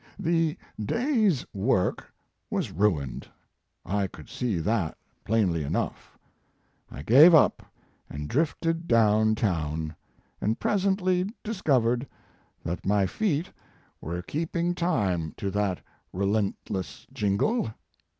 The day s work was ruined I could see that plainly enough. I gave up and drifted down town, and presently discovered that my feet were keeping 122 Mark Twain time to that relentless jingle.